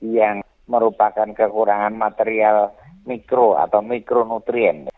yang merupakan kekurangan material mikro atau mikronutrien